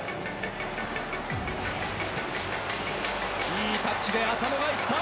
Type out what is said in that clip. いいタッチで浅野が行った！